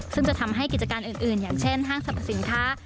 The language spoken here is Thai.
ซึ่งจะทำให้กิจการอื่นอย่างเช่นห้างสรรพสินค้า